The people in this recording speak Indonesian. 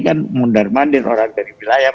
kan mundar mandir orang dari wilayah